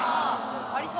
ありそう。